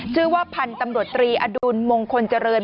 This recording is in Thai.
ชื่อว่าพันธ์ตำรวจตรีอดุลมงคลเจริญ